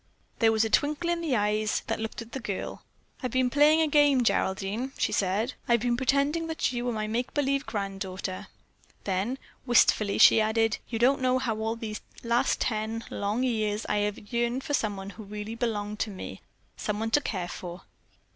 There was a twinkle in the eyes that looked at the girl. "I've been playing a game, Geraldine," she said. "I've been pretending that you were my make believe granddaughter." Then wistfully she added: "You don't know how all these last ten, long years I have yearned for someone who really belonged to me, someone to care for."